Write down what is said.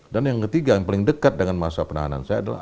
dan yang ketiga yang paling dekat dengan masa penahanan saya adalah